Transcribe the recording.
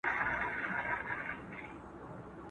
په مالت کي را معلوم دی په مین سړي پوهېږم.!